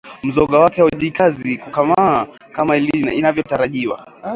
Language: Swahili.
Mzoga wake haujikazi kukakamaa kama inavyotarajiwa